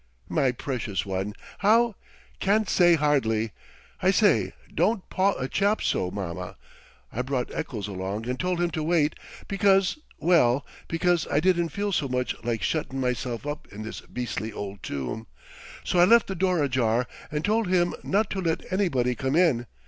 "My precious one! How ?" "Can't say, hardly ... I say, don't paw a chap so, Mamma ... I brought Eccles along and told him to wait because well, because I didn't feel so much like shuttin' myself up in this beastly old tomb. So I left the door ajar, and told him not to let anybody come in.